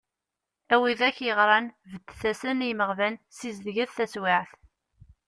A widak yeɣran, beddet-asen i yimeɣban, zizdeget taswiɛt.